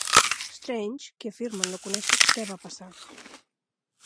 Strange, qui afirma no conèixer què va passar.